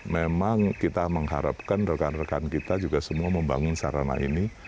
memang kita mengharapkan rekan rekan kita juga semua membangun sarana ini